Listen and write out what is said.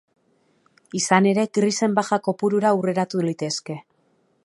Izan ere, grisen baja kopurura hurreratu litezke.